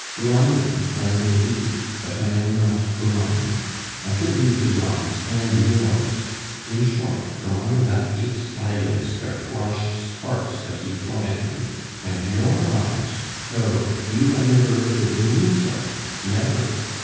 Blinded I may be, but I am not blind. I could read his eyes, and yours. In short, from under that ape's eyelids there flashed sparks that he flung at you and your eyes! Oh! you have never looked at me so, never!